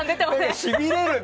しびれるね。